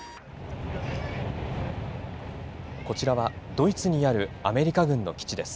こちらは、ドイツにあるアメリカ軍の基地です。